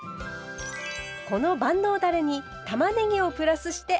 この万能だれにたまねぎをプラスしてアレンジ。